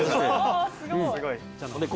すごい。